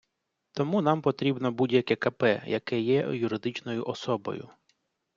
Тому нам потрібно будь-яке КП, яке є юридичною особою.